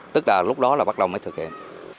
tức là lúc đó là bắt đầu mới thực hiện